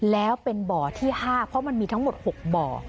แล้วเป็นบ่อที่๕เพราะมันมีทั้งหมด๖บ่อ